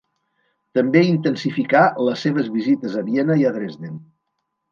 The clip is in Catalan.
També intensificà les seves visites a Viena i a Dresden.